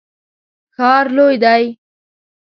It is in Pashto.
ښار لوی دی